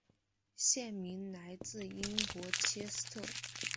县名来自英国切斯特。